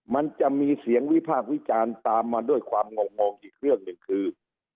มันจะมีเสียงวิพากษ์วิจารณ์ตามมาด้วยความงงอีกเรื่องหนึ่งคือ